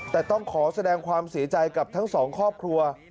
แต่ต้องขอแสดงความเสียใจกับทั้งสองครอบครัว